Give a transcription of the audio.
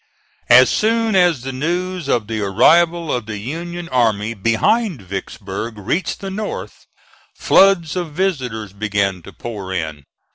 As soon as the news of the arrival of the Union army behind Vicksburg reached the North, floods of visitors began to pour in.